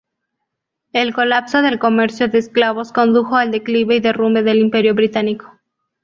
El colapso del comercio de esclavos condujo al declive y derrumbe del Imperio británico.